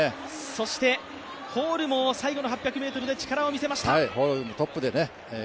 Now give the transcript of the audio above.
そしてホールも最後の８００ｍで力を見せました。